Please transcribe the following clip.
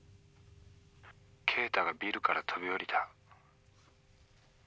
敬太がビルから飛び降りた。